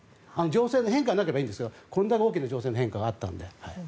情勢変化がなければいいですがこんなに大きな変化があったので。